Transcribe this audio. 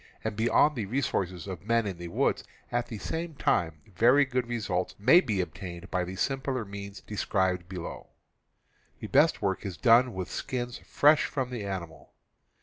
and beyond the resources of men in the ■R h "th woods, at the same time very good re ^,_ suits may be obtained by the simpler the Fur on. j u j u i means described below. The best work is done with skins fresh from the animal.